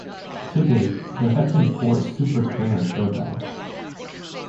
To date, there have been four Super Trainer Showdowns.